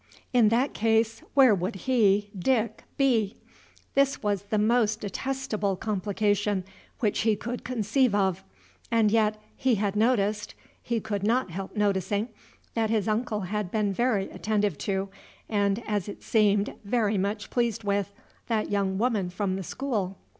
In that case, where would he, Dick, be? This was the most detestable complication which he could conceive of. And yet he had noticed he could not help noticing that his uncle had been very attentive to, and, as it seemed, very much pleased with, that young woman from the school.